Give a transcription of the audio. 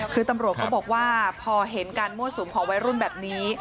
คือตำรวจก็บอกว่าพอเห็นการมั่วสุมของวัยรุ่นแบบนี้